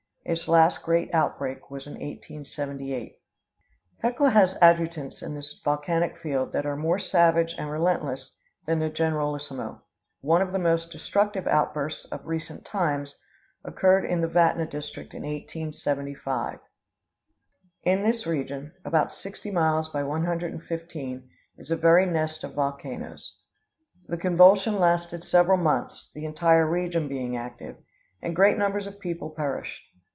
Its last great outbreak was in 1878. Hecla has adjutants in this volcanic field that are more savage and relentless than the generalissimo. One of the most destructive outbursts of recent times occurred in the Vatna district in 1875. In this region, about sixty [Illustration: MT. HECLA.] miles by one hundred and fifteen, is a very nest of volcanoes. The convulsion lasted several months, the entire region being active; and great numbers of people perished.